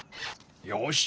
よし。